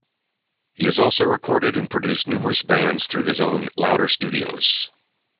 He has also recorded and produced numerous bands through his own Louder Studios.